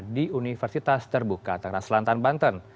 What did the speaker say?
di universitas terbuka tengah selantan banten